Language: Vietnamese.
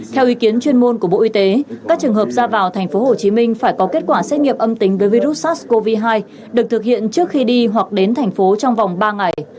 theo ý kiến chuyên môn của bộ y tế các trường hợp ra vào thành phố hồ chí minh phải có kết quả xét nghiệm âm tính đối với virus sars cov hai được thực hiện trước khi đi hoặc đến thành phố trong vòng ba ngày